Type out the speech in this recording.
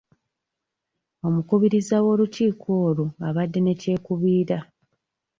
Omukubiriza w'olukiiko olwo abadde ne kyekubiira.